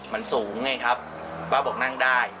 มันสูงไงครับป้าบอกนั่งได้